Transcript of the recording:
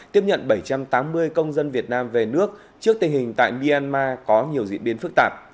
tiếp nhận bảy trăm tám mươi công dân việt nam về nước trước tình hình tại myanmar có nhiều diễn biến phức tạp